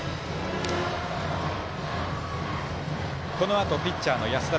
このあとピッチャーの安田。